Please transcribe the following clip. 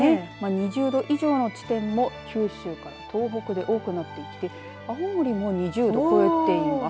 ２０度以上の地点も九州から東北で多くなってきて青森も２０度を超えています。